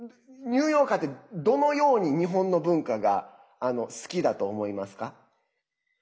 ニューヨーカーってどのように日本の文化が好きだと思いますか？